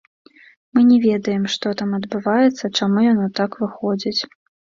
Мы не ведаем, што там адбываецца, чаму яно так выходзіць.